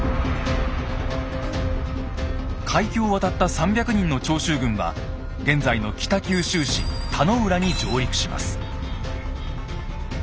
海峡を渡った３００人の長州軍は現在の北九州市田野浦に上陸します。